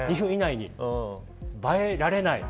映えられない。